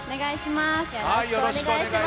よろしくお願いします！